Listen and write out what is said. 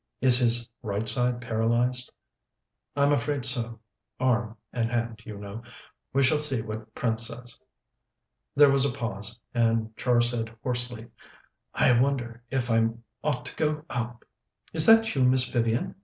Is his right side paralyzed?" "I'm afraid so arm and hand, you know. We shall see what Prince says." There was a pause, and Char said hoarsely: "I wonder if I ought to go up?" "Is that you, Miss Vivian?"